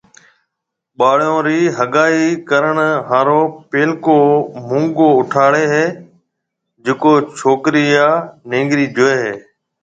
ٻاݪون رِي ھگائِي ڪرڻ ھارو پيلڪو مونگو اُٺاڙيَ ھيَََ جڪو ڇوڪرو يا نيڱرِي جوئيَ ھيَََ